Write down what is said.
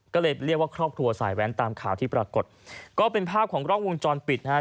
ก็เลยเรียกว่าครอบครัวสายแว้นตามข่าวที่ปรากฏก็เป็นภาพของกล้องวงจรปิดนะฮะ